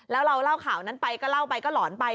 แล้วเราเล่าข่าวนั้นไปก็เล่าไปก็หลอนไป